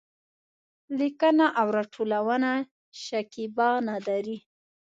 لیکنه او راټولونه: شکېبا نادري